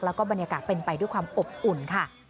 แล้วก็บรรยากาศเป็นไปด้วยความอบอุ่นค่ะ